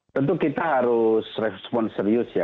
tentu kita harus respon serius ya